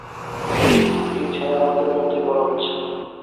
এই ছায়া আমাদের মধ্যেই বড় হচ্ছে।